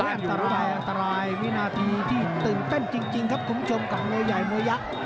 อันตรายแล้วมี่นาทีที่เตินเต้นจริงครับคุณผู้ชมกับเยาว์ใหญ่มวยัก